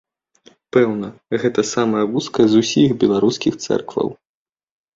Пэўна, гэта самая вузкая з усіх беларускіх цэркваў.